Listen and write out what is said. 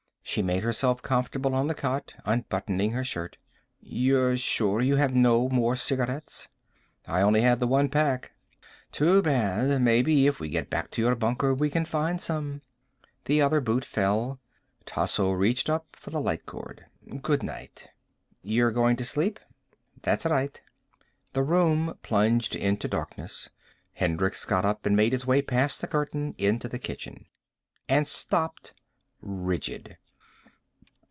She made herself comfortable on the cot, unbuttoning her shirt. "You're sure you have no more cigarettes?" "I had only the one pack." "Too bad. Maybe if we get back to your bunker we can find some." The other boot fell. Tasso reached up for the light cord. "Good night." "You're going to sleep?" "That's right." The room plunged into darkness. Hendricks got up and made his way past the curtain, into the kitchen. And stopped, rigid.